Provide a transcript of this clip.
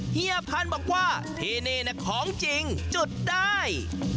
เฮียพันธุ์บอกว่าที่นี่ของจริงจุดได้